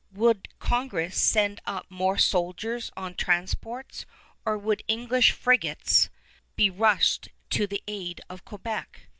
Would Congress send up more soldiers on transports; or would English frigates be rushed to the aid of Quebec?